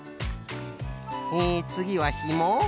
えつぎはひも？